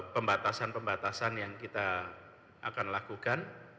pembatasan pembatasan yang kita akan lakukan